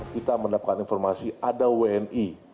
kita mendapatkan informasi ada wni